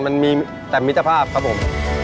มันมีแต่มิตรภาพครับผม